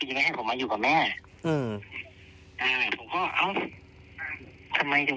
ทำไมจังคงพูดอย่างแบบนี้ออกมา